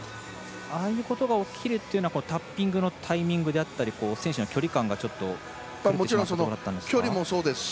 ああいうことが起きるっていうのはタッピングのタイミングであったり選手の距離感が狂ってしまったんですか？